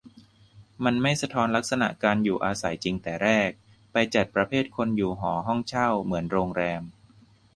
มันไม่สะท้อนลักษณะการอยู่อาศัยจริงแต่แรก ไปจัดประเภทคนอยู่หอ ห้องเช่า เหมือนโรงแรม